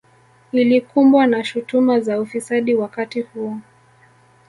Ilikumbwa na shutuma za ufisadi wakati huo